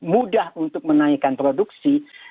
mudah untuk menaikkan produksi